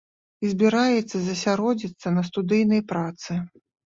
І збіраецца засяродзіцца на студыйнай працы.